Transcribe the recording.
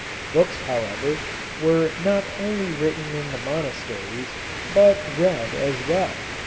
Books, however, were not only written in the monasteries, but read as well.